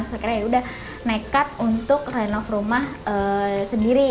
terus akhirnya yaudah nekat untuk renov rumah sendiri